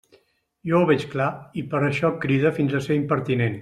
Jo ho veig clar, i per això cride fins a ser impertinent.